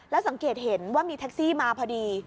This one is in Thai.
สังเกตเห็นว่ามีแท็กซี่มาพอดี